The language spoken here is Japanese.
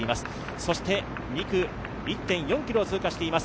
そして２区、１．４ｋｍを通過しています